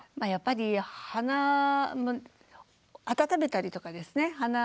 やっぱり鼻を温めたりとかですね。